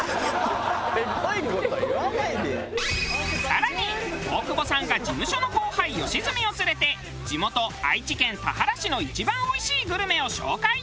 更に大久保さんが事務所の後輩吉住を連れて地元愛知県田原市の一番おいしいグルメを紹介。